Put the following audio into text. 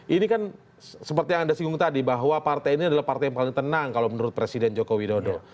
ini kan seperti yang anda singgung tadi bahwa partai ini adalah partai yang paling tenang kalau menurut presiden joko widodo